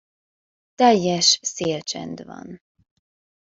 Teljes szélcsend van.